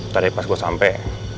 tadi pas gue sampai